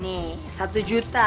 nih satu juta